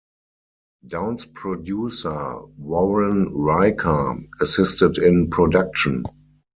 Down's producer, Warren Riker, assisted in production.